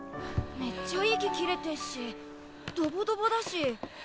めっちゃ息切れてっしドボドボだし。